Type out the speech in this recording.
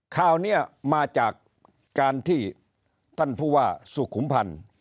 คราวนี้มาจากการที่ท่านผู้ว่าสุขุมพันธ์